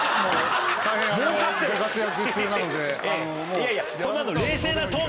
いやいやそんなの。